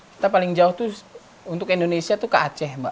kita paling jauh itu untuk indonesia itu ke aceh mbak